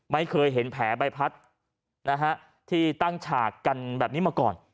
ไม่เคยเห็นแผลใบพัดนะฮะที่ตั้งฉากกันแบบนี้มาก่อน